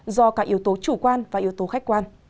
do cả yếu tố chủ quan và yếu tố khách quan